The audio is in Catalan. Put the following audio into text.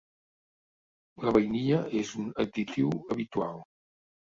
La vainilla és un additiu habitual.